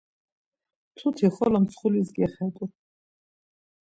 Mtuti xolo mtsxulis gexet̆u.